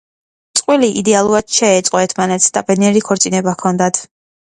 წყვილი იდეალურად შეეწყო ერთმანეთს და ბედნიერი ქორწინება ჰქონდათ.